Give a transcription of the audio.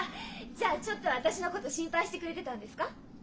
じゃあちょっとは私のこと心配してくれてたんですか？